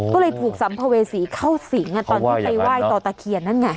ก็เลยถูกสัมภเวษีเข้าสิงตอนที่ไปไหว้ต่อตะเคียนนั่นไง